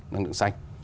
năng lượng xanh